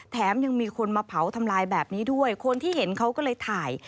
แถมยังมีคนมาเผาทำลายแบบนี้ด้วยคนที่เห็นเขาก็เลยถ่าย